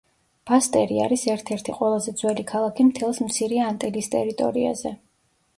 ბასტერი არის ერთ-ერთი ყველაზე ძველი ქალაქი მთელს მცირე ანტილის ტერიტორიაზე.